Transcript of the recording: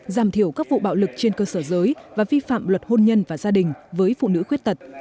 giảm thiểu các vụ bạo lực trên cơ sở giới và vi phạm luật hôn nhân và gia đình với phụ nữ khuyết tật